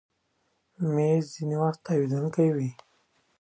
مېز ځینې وخت تاوېدونکی وي.